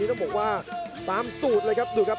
ต้องบอกว่าตามสูตรเลยครับดูครับ